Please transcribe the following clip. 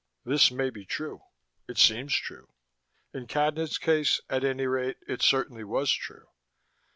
This may be true: it seems true: in Cadnan's case, at any rate, it certainly was true.